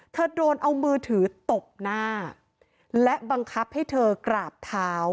โดนเอามือถือตบหน้าและบังคับให้เธอกราบเท้า